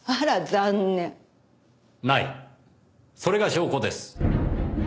それが証拠です。